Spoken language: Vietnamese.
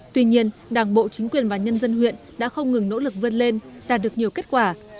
tuy nhiên đảng bộ chính quyền và nhân dân huyện đã không ngừng nỗ lực vươn lên đạt được nhiều kết quả